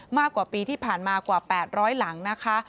มากกว่าปีที่ผ่านมากว่า๘๐๐หลังนะคะ